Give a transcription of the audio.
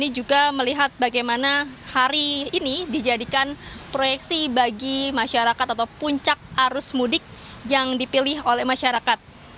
ini juga melihat bagaimana hari ini dijadikan proyeksi bagi masyarakat atau puncak arus mudik yang dipilih oleh masyarakat